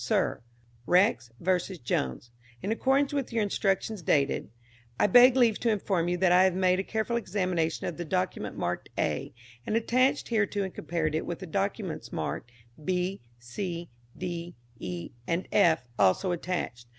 SIR, REX versus JONES. In accordance with your instructions dated I beg leave to inform you that I have made a careful examination of the document marked A, and attached hereto, and compared it with the documents marked B, C, D, E and F, also attached.